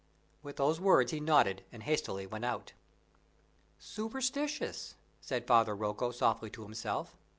With those words he nodded and hastily went out. "Superstitious," said Father Rocco softly to himself.